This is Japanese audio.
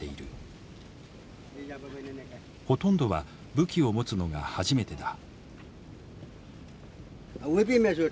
ほとんどは武器を持つのが初めてだ。